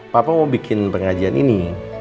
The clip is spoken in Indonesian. papa mau bikin pengajian ini